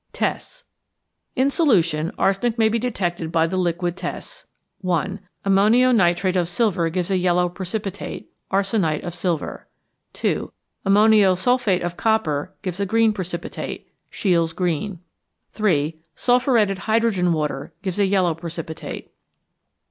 Tests. In solution, arsenic may be detected by the liquid tests. (1) Ammonio nitrate of silver gives a yellow precipitate (arsenite of silver). (2) Ammonio sulphate of copper gives a green precipitate (Scheele's green). (3) Sulphuretted hydrogen water gives a yellow precipitate.